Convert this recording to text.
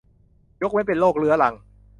ยกเว้นเป็นโรคเรื้อรัง